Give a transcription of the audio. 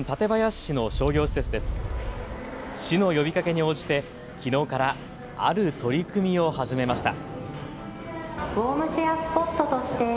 市の呼びかけに応じてきのうからある取り組みを始めました。